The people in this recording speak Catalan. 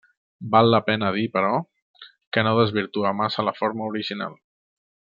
Val la pena dir però, que no desvirtua massa la forma original.